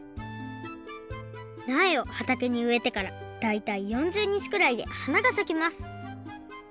なえをはたけにうえてからだいたい４０にちくらいではながさきます。